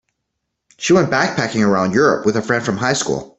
She went backpacking around Europe with a friend from high school.